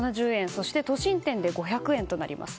そして都心店で５００円となります。